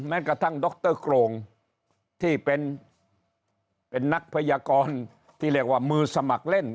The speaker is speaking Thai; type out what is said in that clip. แม้กระทั่งดรโกรงที่เป็นนักพยากรที่เรียกว่ามือสมัครเล่น